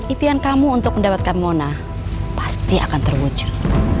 ipian kamu untuk mendapatkan muna pasti akan terwujud